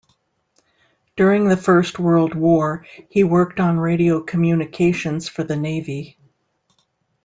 During the First World War, he worked on radio communications for the navy.